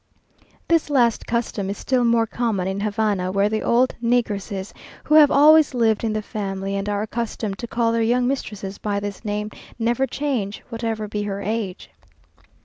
This last custom is still more common in Havana, where the old negresses, who have always lived in the family, and are accustomed to call their young mistress by this name, never change, whatever be her age.